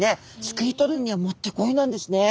すくい取るにはもってこいなんですね。